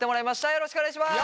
よろしくお願いします。